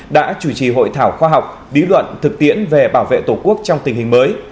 đã chủ trì hội thảo khoa học lý luận thực tiễn về bảo vệ tổ quốc trong tình hình mới